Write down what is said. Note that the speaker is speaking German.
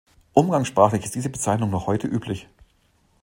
Umgangssprachlich ist diese Bezeichnung noch heute üblich.